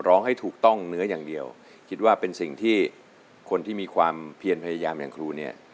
ร้องให้ถูกต้องเนื้ออย่างเดียวคิดว่าเป็นสิ่งที่คนที่มีความเพียรพยายามอย่างครูเนี่ย